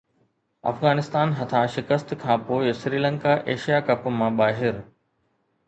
افغانستان هٿان شڪست کانپوءِ سريلنڪا ايشيا ڪپ مان ٻاهر